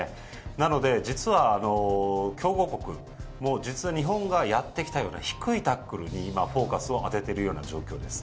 なので、強豪国も実は日本がやってきたような低いタックルにフォーカスを当てているような状況です。